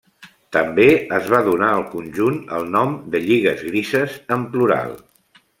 També es va donar al conjunt el nom de Lligues Grises, en plural.